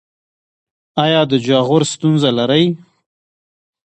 ایا د جاغور ستونزه لرئ؟